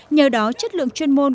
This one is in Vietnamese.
nhờ đó chất lượng chuyên môn